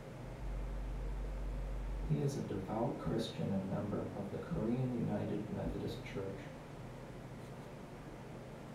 He is a devout Christian and member of the Korean United Methodist Church.